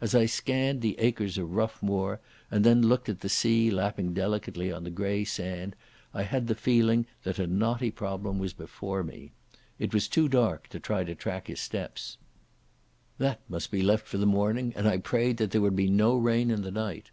As I scanned the acres of rough moor and then looked at the sea lapping delicately on the grey sand I had the feeling that a knotty problem was before me. It was too dark to try to track his steps. That must be left for the morning, and I prayed that there would be no rain in the night.